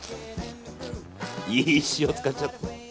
いい塩使っちゃって。